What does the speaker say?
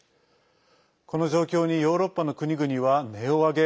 この状況にヨーロッパの国々はねを上げ